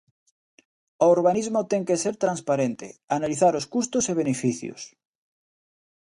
O urbanismo ten que ser transparente, analizar os custos e beneficios.